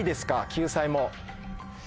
救済も。